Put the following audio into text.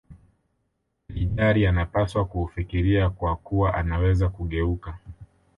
lijari anapaswa kuufikiria kwa kuwa unaweza kugeuka